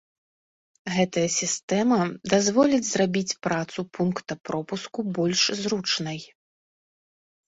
Гэтая сістэма дазволіць зрабіць працу пункта пропуску больш зручнай.